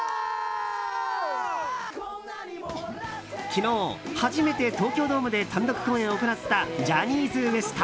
昨日、初めて東京ドームで単独公演を行ったジャニーズＷＥＳＴ。